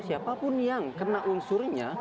siapapun yang kena unsurnya